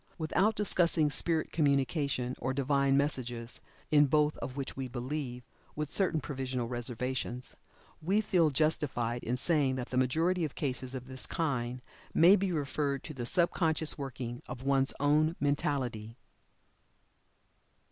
Without discussing spirit communication, or Divine messages, in both of which we believe (with certain provisional reservations) we feel justified in saying that the majority of cases of this kind may be referred to the sub conscious workings of one's own mentality.